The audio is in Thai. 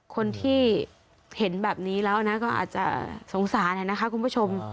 คนที่เห็นแบบนี้แล้วก็อาจจะสงสารนะคะคุณผู้ชม